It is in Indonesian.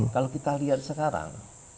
kalau kita lihat sekarang